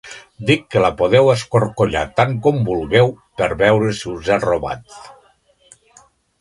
Dic que la podeu escorcollar tant com vulgueu per veure si us he robat.